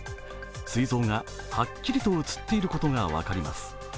すい臓がはっきりと写っていることが分かります。